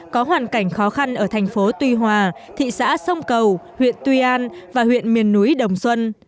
có hoàn cảnh khó khăn ở thành phố tuy hòa thị xã sông cầu huyện tuy an và huyện miền núi đồng xuân